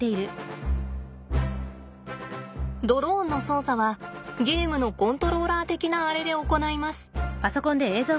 ドローンの操作はゲームのコントローラー的なアレで行います。